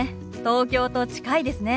東京と近いですね。